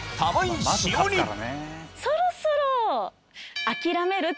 そろそろ。